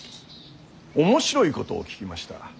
面白いことを聞きました。